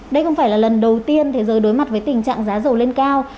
đây không phải là lần đầu tiên thế giới đối mặt với tình trạng giá dầu lên cao